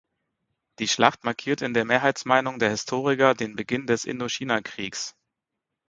Die Schlacht markiert in der Mehrheitsmeinung der Historiker den Beginn des Indochinakriegs.